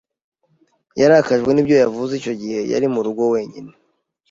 Yarakajwe n'ibyo yavuze. Icyo gihe yari mu rugo wenyine.